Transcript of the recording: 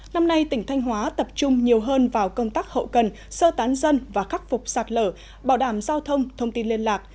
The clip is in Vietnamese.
năm nay tỉnh thanh hóa tập trung nhiều hơn vào công tác hậu cần sơ tán dân và khắc phục sạt lở bảo đảm giao thông thông tin liên lạc